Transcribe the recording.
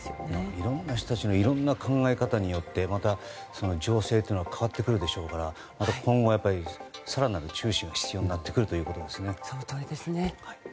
いろいろな人たちのいろいろな考え方によってまた情勢というのは変わってくるでしょうからまた今後、更なる注視が必要になってくるということですね。